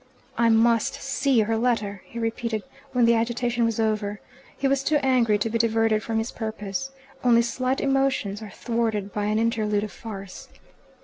"I MUST see her letter," he repeated, when the agitation was over. He was too angry to be diverted from his purpose. Only slight emotions are thwarted by an interlude of farce.